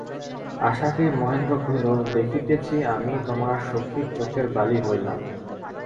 আশাকে মহেন্দ্র কহিল, দেখিতেছি, আমিই তোমার সখীর চোখের বালি হইলাম।